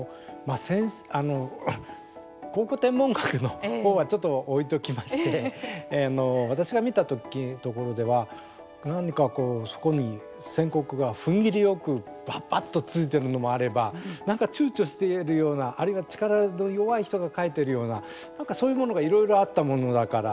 考古天文学の方はちょっと置いときまして私が見たところでは、なんかそこに線刻が、ふんぎりよくばっばっとついてるのもあればちゅうちょしているようなあるいは、力の弱い人が描いているようななんか、そういうものがいろいろあったものだから。